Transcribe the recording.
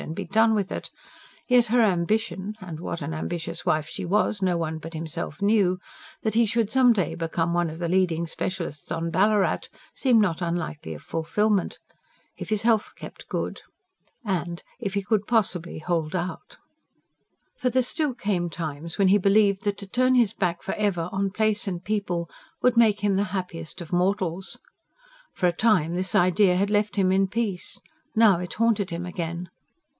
and be done with it," yet her ambition and what an ambitious wife she was, no one but himself knew that he should some day become one of the leading specialists on Ballarat, seemed not unlikely of fulfilment. If his health kept good. And ... and if he could possibly hold out! For there still came times when he believed that to turn his back for ever, on place and people, would make him the happiest of mortals. For a time this idea had left him in peace. Now it haunted him again.